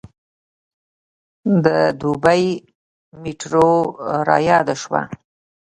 د دوبۍ میټرو رایاده شوه.